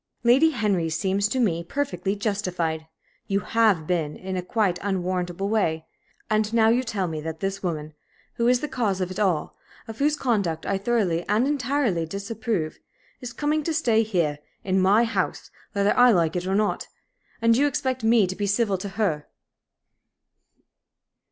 Lady Henry seems to me perfectly justified. You have been behaving in a quite unwarrantable way. And now you tell me that this woman, who is the cause of it all, of whose conduct I thoroughly and entirely disapprove, is coming to stay here, in my house, whether I like it or not, and you expect me to be civil to her.